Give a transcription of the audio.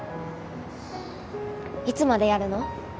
いつまでやるの？